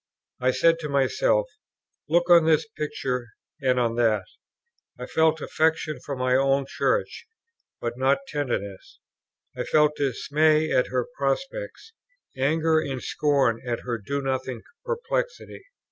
I said to myself, "Look on this picture and on that;" I felt affection for my own Church, but not tenderness; I felt dismay at her prospects, anger and scorn at her do nothing perplexity.